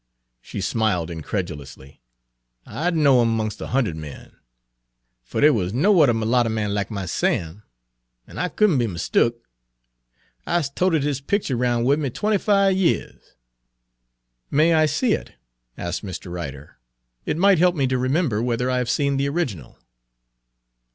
She smiled incredulously. "I 'd know 'im Page 16 'mongs' a hund'ed men. Fer dey wuz n' no yuther merlatter man like my man Sam, an' I could n' be mistook. I 's toted his picture roun' wid me twenty five years." "May I see it?" asked Mr. Ryder. "It might help me to remember whether I have seen the original."